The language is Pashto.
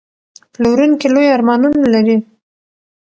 پلورونکی لوی ارمانونه لري.